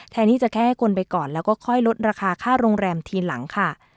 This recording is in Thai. แทนที่จะแค่ให้คนไปก่อนแล้วก็ค่อยลดราคาค่าโรงแรมทีหลังค่ะ